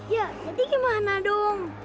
ya jadi gimana dong